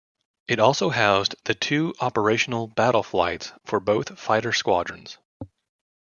It also housed the two operational 'Battle Flights' for both fighter squadrons.